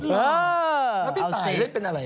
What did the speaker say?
เออเอาสิแล้วพี่ตายเล่นเป็นอะไรนะ